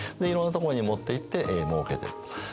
いろんな所に持っていってもうけてる。